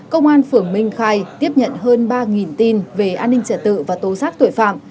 công an phường minh khai tiếp nhận hơn ba tin về an ninh trật tự và tố xác tội phạm